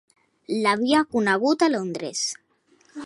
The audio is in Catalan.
L'havia conegut a Londres.